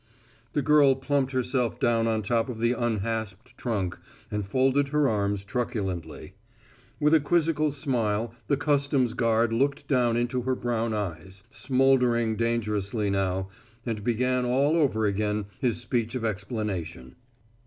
The girl plumped herself down on top of the unhasped trunk and folded her arms truculently. With a quizzical smile, the customs guard looked down into her brown eyes, smoldering dangerously now, and began all over again his speech of explanation.